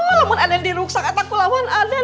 namun aden diruksakan takut lawan aden